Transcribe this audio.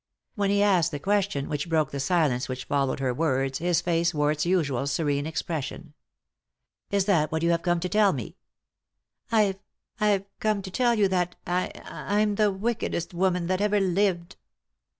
When he asked the question which broke the silence which followed her words his face wore its usual serene expression. " Is that what you have come to tell me ?" "I've — I've come to tell you that I— I'm the wickedest woman that ever lived."